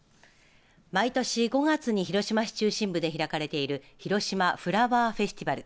毎年５月に広島市中心部で開かれているひろしまフラワーフェスティバル